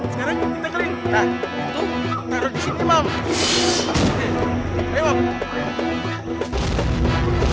sekarang kita keliling